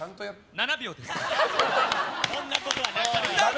７秒です。